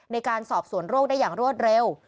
ในการสอบสวนโรคได้อย่างรวดเร็ว